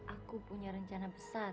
aku punya rencana besar